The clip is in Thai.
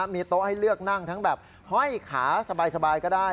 มีโต๊ะให้เลือกนั่งทั้งแบบห้อยขาสบายก็ได้